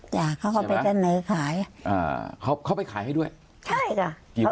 ใช่ไหมอ่าเขาเข้าไปขายให้ด้วยใช่ค่ะ